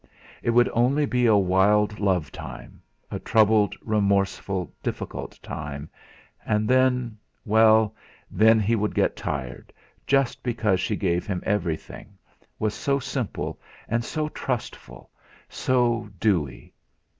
It would only be a wild love time, a troubled, remorseful, difficult time and then well, then he would get tired, just because she gave him everything, was so simple, and so trustful, so dewy.